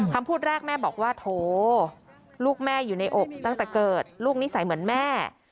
คำพูดแรกแม่บอกว่าโถลูกแม่อยู่ในอกตั้งแต่เกิดลูกนิสัยเหมือนแม่